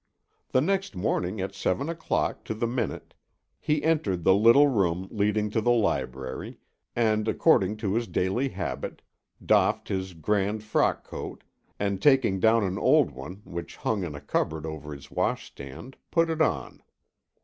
The next morning at seven o'clock to the minute, he entered the little room leading to the library, and, according to his daily habit, doffed his grand frock coat, and taking down an old one which hung in a cupboard over his washstand, put it on.